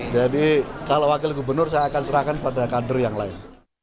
jadi kalau wakil gubernur saya akan serahkan kepada kader yang lain